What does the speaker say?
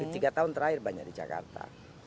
tiga tahun terakhir banyak di jakarta